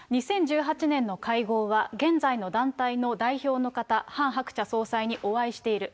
２０１８年の会合は現在の団体の代表の方、ハン・ハクチャ総裁にお会いしている。